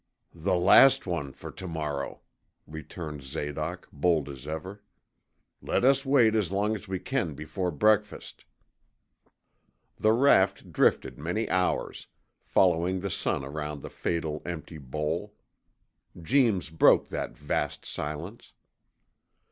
'The last one for to morrow!' returned Zadoc, bold as ever. 'Let us wait as long as we can before breakfast!' The raft drifted many hours, following the sun around the fatal, empty bowl. Jeems broke that vast silence.